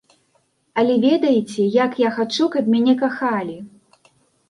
Але ведаеце, як я хачу, каб мяне кахалі?